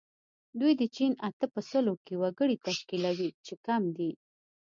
دوی د چین اته په سلو کې وګړي تشکیلوي چې کم دي.